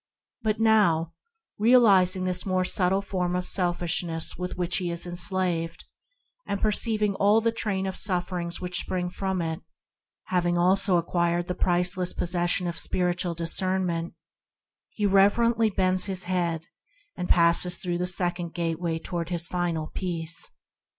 But now, realizing this more subtle form of selfishness by which he is enslaved and perceiving all the train of sufferings that spring from it, having also acquired the priceless possession of spiritual discernment, he reverently bends his head THE FINDING OF A PRINCIPLE 59 and passes through the second Gateway toward his final peace.